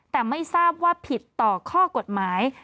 แต่ไม่ทราบว่าผิดต่อข้อกฎหมาย